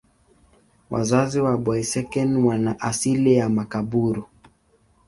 Wazazi wa Boeseken wana asili ya Makaburu.